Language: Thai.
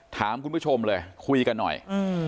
ถามคุณผู้ชมเลยคุยกันหน่อย